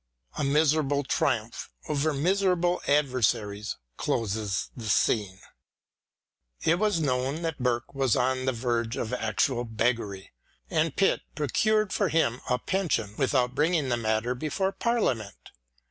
A miserable triumph over miserable adver saries closes the scene. It was known that Burke was on the verge of actual beggary, and Pitt pro cured for him a pension without bringing the matter before Parliament.